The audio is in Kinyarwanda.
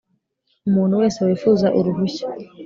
umuntu wese wifuza uruhushya